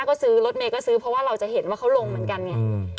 ก็ซื้อรถเมย์ก็ซื้อเพราะว่าเราจะเห็นว่าเขาลงเหมือนกันไง